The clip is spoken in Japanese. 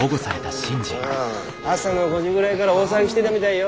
朝の５時ぐらいがら大騒ぎしてだみだいよ。